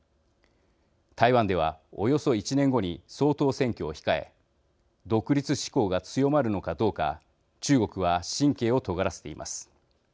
台湾では、およそ１年後に総統選挙を控え独立志向が強まるのかどうか中国は神経をとがらせています。